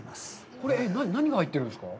これ、何が入っているんですか？